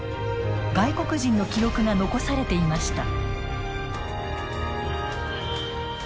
外国人の記録が残されていました。